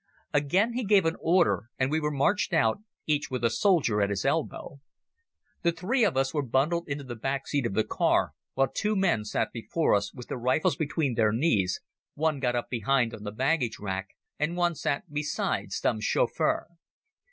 Again he gave an order, and we were marched out, each with a soldier at his elbow. The three of us were bundled into the back seat of the car, while two men sat before us with their rifles between their knees, one got up behind on the baggage rack, and one sat beside Stumm's chauffeur.